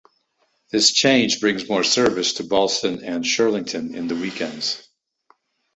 This change brings more service to Ballston and Shirlington in the weekends.